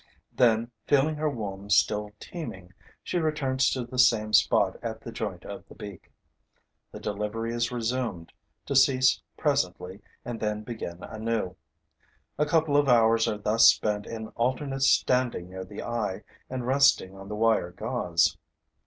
Then, feeling her womb still teeming, she returns to the same spot at the joint of the beak. The delivery is resumed, to cease presently and then begin anew. A couple of hours are thus spent in alternate standing near the eye and resting on the wire gauze.